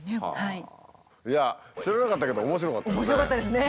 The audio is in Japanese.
いや知らなかったけど面白かったですね。